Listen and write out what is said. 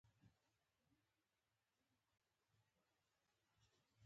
د نهروان کانال څلور سوه فوټه سور درلود.